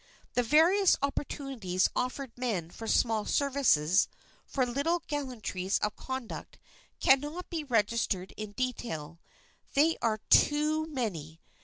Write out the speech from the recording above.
The various opportunities offered men for small services, for little gallantries of conduct, can not be registered in detail. They are too many.